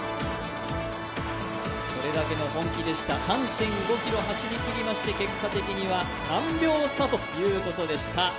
これだけの本気でした、３．５ｋｍ走りきりまして結果的には３秒差ということでした。